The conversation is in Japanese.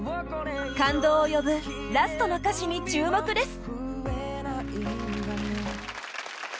感動を呼ぶラストの歌詞に注目です